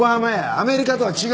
アメリカとは違う！